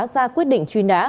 ra quyết định truy nã